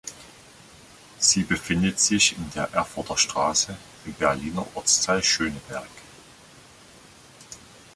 Sie befindet sich in der Erfurter Straße im Berliner Ortsteil Schöneberg.